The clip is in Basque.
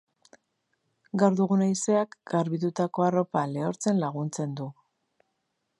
Gaur dugun haizeak garbitutako arropa lehortzen laguntzen du.